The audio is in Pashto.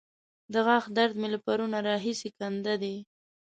د غاښ درد مې له پرونه راهسې کنده دی.